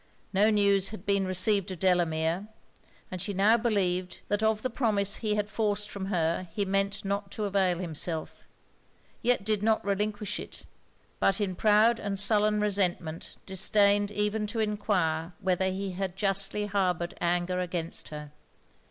No news had been received of Delamere; and she now believed, that of the promise he had forced from her he meant not to avail himself; yet did not relinquish it; but in proud and sullen resentment, disdained even to enquire whether he had justly harboured anger against her.